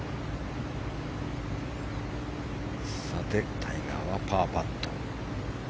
さて、タイガーはパーパット。